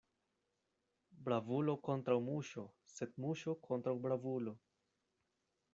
Bravulo kontraŭ muŝo, sed muŝo kontraŭ bravulo.